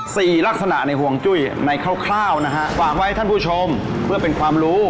ลักษณะในห่วงจุ้ยในคร่าวนะฮะฝากไว้ท่านผู้ชมเพื่อเป็นความรู้